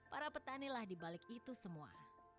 para petanilah dibalik itu semua